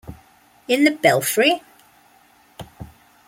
In the belfry?!